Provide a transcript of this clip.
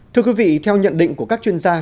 thưa quý vị theo nhận định của các chuyên gia